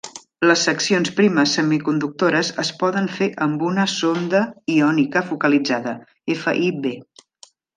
Les seccions primes semiconductores es poden fer amb una sonda iònica focalitzada (FIB).